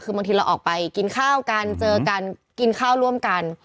คือบางทีเราออกไปกินข้าวกันเจอกันกินข้าวร่วมกัน